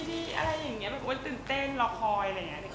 ตื่นเต้นลองคอย